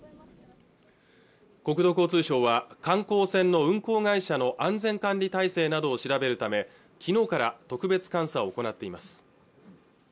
国土交通省は観光船の運航会社の安全管理体制などを調べるためきのうから特別監査を行っています